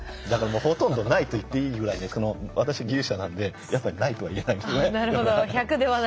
だからもうほとんどないと言っていいぐらいですけど私技術者なんでやっぱりないとは言えないので。